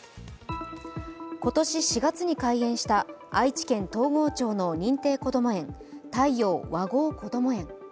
今年４月に開園した愛知県東郷町の認定こども園・太陽わごうこども園。